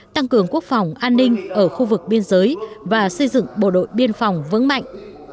tăng cường quốc phòng an ninh ở khu vực biên giới và xây dựng bộ đội biên phòng vững mạnh